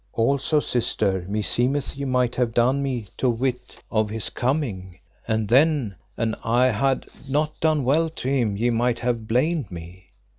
Also, sister, meseemeth ye might have done me to wit of his coming, and then an I had not done well to him ye might have blamed me.